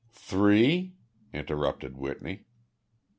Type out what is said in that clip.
"Three?" interrupted Whitney.